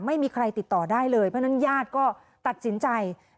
ไม่มีใครติดต่อได้เลยเพราะฉะนั้นญาติก็ตัดสินใจ